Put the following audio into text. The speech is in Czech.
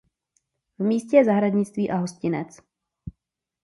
V místě je zahradnictví a hostinec.